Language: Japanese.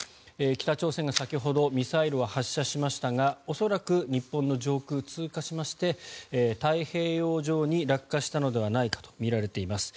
北朝鮮が先ほどミサイルを発射しましたが恐らく日本の上空を通過しまして太平洋上に落下したのではないかとみられています。